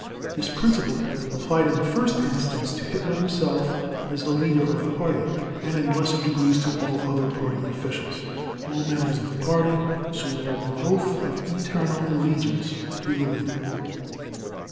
This principle applied in the first instance to Hitler himself as the leader of the Party, and in a lesser degree to all other Party officials. All members of the Party swore an oath of "eternal allegiance" to the leader.